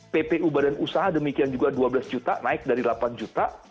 ppu badan usaha demikian juga dua belas juta naik dari delapan juta